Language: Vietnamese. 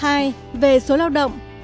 hai về số lao động